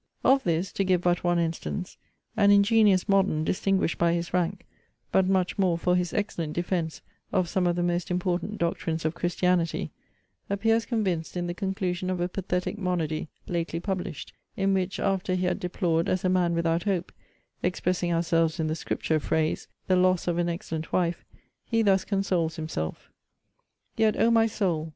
Of this, (to give but one instance,) an ingenious modern, distinguished by his rank, but much more for his excellent defence of some of the most important doctrines of Christianity, appears convinced in the conclusion of a pathetic Monody, lately published; in which, after he had deplored, as a man without hope, (expressing ourselves in the Scripture phrase,) the loss of an excellent wife; he thus consoles himself: Yet, O my soul!